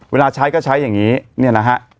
เวลาใช้ก็ใช้อย่างนี้เนี่ยนะฮะ